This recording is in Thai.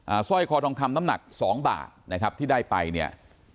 สร้อยคอทองคำน้ำหนักสองบาทนะครับที่ได้ไปเนี่ย